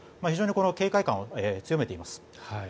非常に警戒感を強めています。